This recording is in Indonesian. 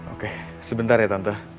oke sebentar ya tante